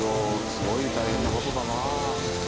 すごい大変な事だなあ。